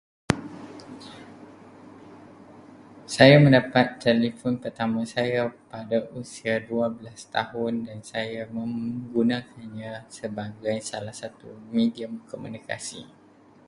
Saya mendapat telefon telefon pertama saya pada usia dua belas tahun dan saya menggunakannya sebagai salah satu medium komunikasi.